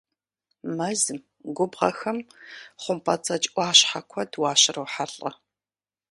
Мэзым, губгъуэхэм хъумпӏэцӏэдж ӏуащхьэ куэд уащрохьэлӏэ.